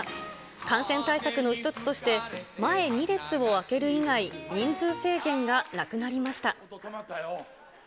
感染対策の一つとして前２列を空ける以外、人数制限がなくなりました。